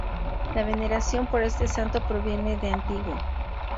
La veneración por este santo proviene de antiguo.